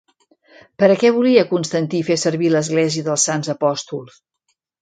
Per a què volia Constantí fer servir l'església dels Sants Apòstols?